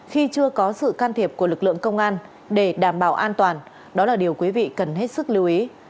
khi chưa có sự can thiệp của lực lượng công an để đảm bảo an toàn đó là điều quý vị cần hết sức lưu ý